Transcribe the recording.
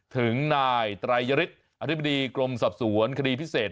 ถึงนายไตรยฤทธิ์อธิบดีกรมสอบสวนคดีพิเศษ